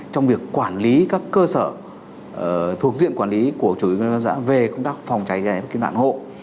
trong việc quản lý các cơ sở thuộc diện quản lý của chủ tịch ủy ban nhân dân cấp xã về công tác phòng cháy cháy và kiểm đoạn hộ